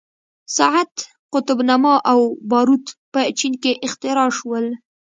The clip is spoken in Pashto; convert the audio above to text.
ساعت، قطب نما او باروت په چین کې اختراع شول.